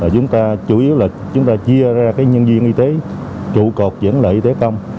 chúng ta chủ yếu là chia ra nhân viên y tế trụ cột dẫn lại y tế công